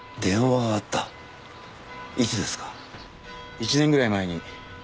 １年ぐらい前に。